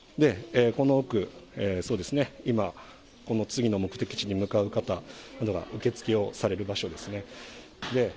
この奥、今、この次の目的地に向かう方、受け付けをされる場所ですね。